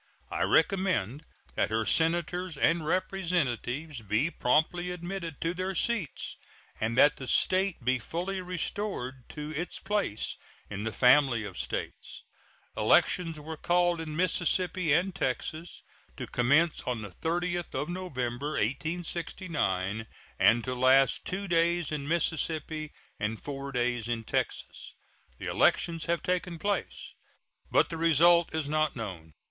I recommend that her Senators and Representatives be promptly admitted to their seats, and that the State be fully restored to its place in the family of States. Elections were called in Mississippi and Texas, to commence on the 30th of November, 1869, and to last two days in Mississippi and four days in Texas. The elections have taken place, but the result is not known.